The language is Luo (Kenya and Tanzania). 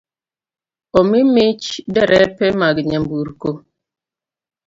Omi mich derepe mag nyamburko